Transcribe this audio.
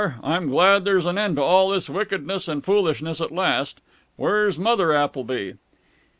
I'm glad there's an end to all this wickedness and foolishness at last. Where's Mother Appleby?"